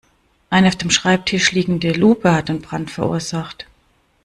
Eine auf dem Schreibtisch liegende Lupe hat den Brand verursacht.